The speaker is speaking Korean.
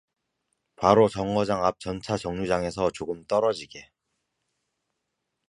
바로 정거장 앞 전차 정류장에서 조금 떨어지게